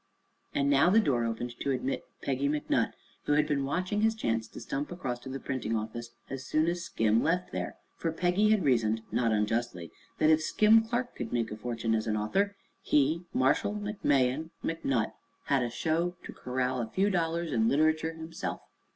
And now the door opened to admit Peggy McNutt, who had been watching his chance to stump across to the printing office as soon as Skim left there. For Peggy had reasoned, not unjustly, that if Skim Clark could make a fortune as an author he, Marshall McMahon McNutt, had a show to corral a few dollars in literature himself.